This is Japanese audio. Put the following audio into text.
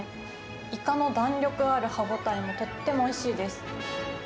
イカの弾力ある歯応えもとってもおいしいです。